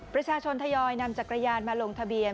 ประชาชนทยอยนำจักรยานมาลงทะเบียน